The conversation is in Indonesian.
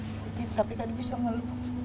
sakit tapi kan bisa melu